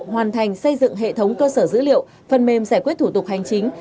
hoàn thành xây dựng hệ thống cơ sở dữ liệu phần mềm giải quyết thủ tục hành chính